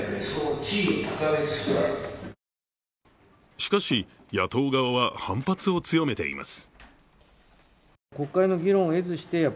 しかし、野党側は反発を強めています。